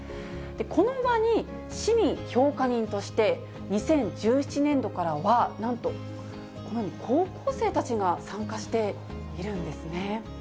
この場に市民評価人として、２０１７年度からは、なんとこのように高校生たちが参加しているんですね。